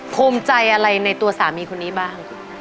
ภูมิใจอะไรในตัวสามีคนนี้บ้าง